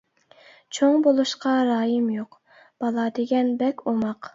چوڭ بولۇشقا رايىم يوق بالا دېگەن بەك ئوماق.